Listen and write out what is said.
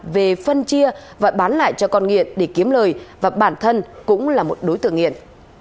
về phân chia và bán lại cho con nghiện để kiếm lời và bản thân cũng là một đối tượng nghiện